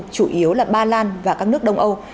chủ yếu là ba lan và các nước đông âu